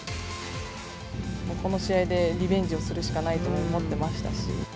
この試合でリベンジをするしかないと思っていましたし。